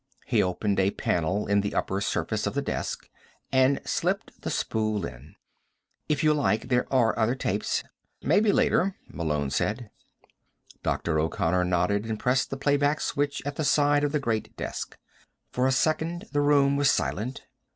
He opened a panel in the upper surface of the desk, and slipped the spool in. "If you like, there are other tapes " "Maybe later," Malone said. Dr. O'Connor nodded and pressed the playback switch at the side of the great desk. For a second the room was silent.